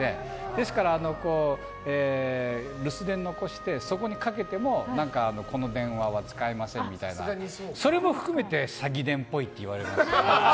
ですから、留守電を残してそこにかけてもこの電話は使えませんみたいなそれも含めて、詐欺電っぽいって言われました。